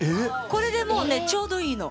これでもうねちょうどいいの。